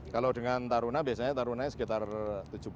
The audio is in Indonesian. kalau dengan taruna biasanya tarunanya sekitar tujuh puluh